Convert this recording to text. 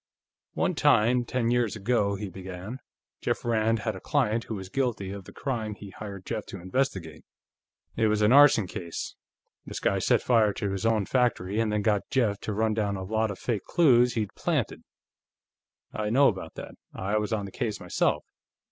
"One time, ten years ago," he began, "Jeff Rand had a client who was guilty of the crime he hired Jeff to investigate. It was an arson case; this guy set fire to his own factory, and then got Jeff to run down a lot of fake clues he'd planted. I know about that; I was on the case, myself.